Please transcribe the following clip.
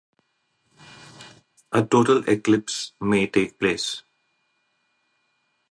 A total eclipse may take place.